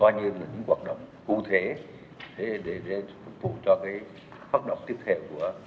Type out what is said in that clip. coi như những hoạt động cụ thể để phục vụ cho phát động tiếp theo